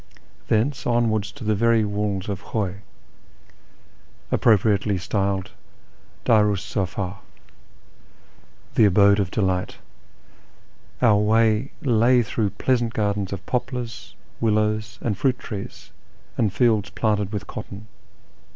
Thence onwards to the very walls of Khuy (appropriately styled " Bariis mfd" " the Abode of Delight ") our way lay through pleasant gardens of poplars, willows, and fruit trees, and fields planted with cotton.